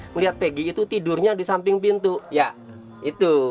melihat peggy itu tidurnya di samping pintu